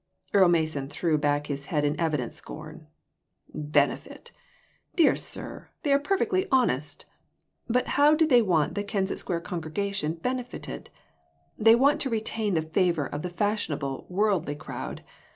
Earle Mason threw back his head in evident scorn. "Benefit! Dear sir, they are perfectly honest. How do they want the Kensett Square congregation benefitted? They want to retain the favor of the fashionable, worldly crowd.